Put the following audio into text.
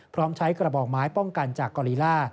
พร้อมใช้กระบอกไม้ป้องกันจากกอลีล่า